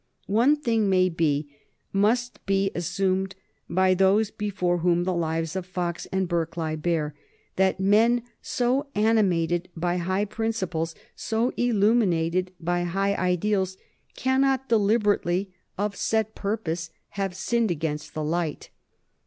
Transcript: One thing may be, must be, assumed by those before whom the lives of Fox and Burke lie bare that men so animated by high principles, so illuminated by high ideals, cannot deliberately, of set purpose, have sinned against the light.